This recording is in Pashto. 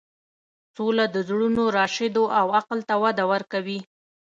سوله د زړونو راشدو او عقل ته وده ورکوي.